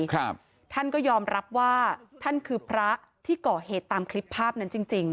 ครับท่านก็ยอมรับว่าท่านคือพระที่ก่อเหตุตามคลิปภาพนั้นจริงจริง